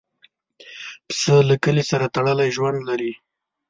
پسه له کلي سره تړلی ژوند لري.